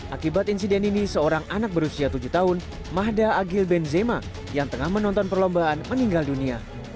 akibat insiden ini seorang anak berusia tujuh tahun mahda agil benzema yang tengah menonton perlombaan meninggal dunia